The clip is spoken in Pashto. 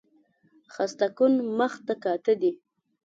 خسته کن مخ ته کاته دي